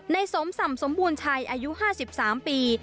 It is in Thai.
สมสำสมบูรณ์ชัยอายุ๕๓ปี